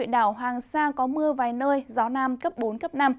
đang có mưa vài nơi gió nam cấp bốn cấp năm